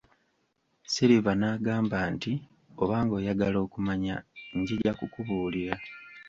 Silver n'agamba nti oba ng'oyagala okumanya njija kukubuulira.